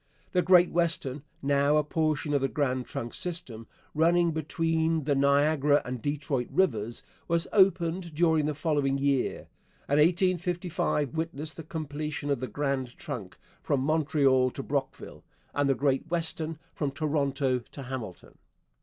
The Great Western (now a portion of the Grand Trunk system), running between the Niagara and Detroit rivers, was opened during the following year; and 1855 witnessed the completion of the Grand Trunk from Montreal to Brockville, and the Great Western from Toronto to Hamilton.